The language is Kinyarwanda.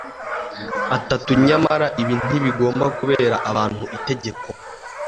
atatu nyamara ibi ntibigomba kubera abantu itegeko